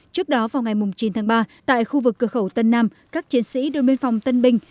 trước đó vào ngày chín tháng ba tại khu vực cửa khẩu tân nam các chiến sĩ đồn biên phòng tân bình